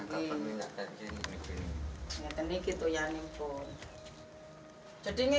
ini untuk di dingin